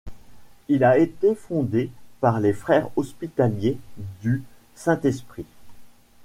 Il a été fondé par les frères hospitaliers du Saint-Esprit.